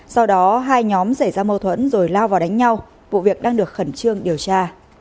sau đó hai nhóm xảy ra mâu thuẫn rồi lao vào đánh nhau vụ việc đang được khẩn trương điều tra